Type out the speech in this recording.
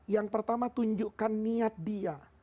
yang pertama tunjukkan niat dia